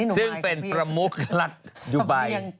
ซึ่งเป็นประมุขรัฐยุบัย